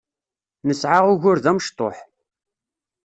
Nesεa ugur d amecṭuḥ.